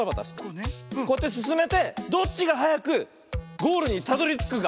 こうやってすすめてどっちがはやくゴールにたどりつくか。